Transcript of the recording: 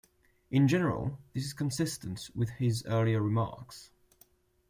In general, this is consistent with his earlier remarks.